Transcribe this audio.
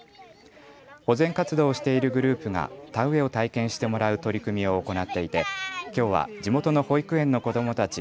保全活動をしているグループが田植えを体験してもらう取り組みを行っていてきょうは地元の保育園の子どもたち